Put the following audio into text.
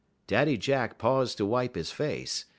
'" Daddy Jack paused to wipe his face.